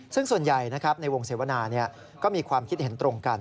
ซึ่งส่วนใหญ่ในวงเสวนาก็มีความคิดเห็นตรงกัน